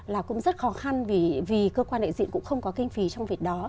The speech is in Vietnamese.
là cũng rất khó khăn vì cơ quan đại diện cũng không có kinh phí trong việc đó